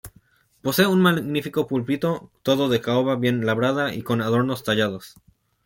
Posee un magnífico púlpito todo de caoba bien labrada y con adornos tallados.